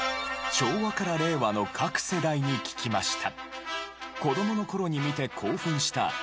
昭和から令和の各世代に聞きました。